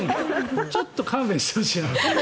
ちょっと勘弁してほしいな。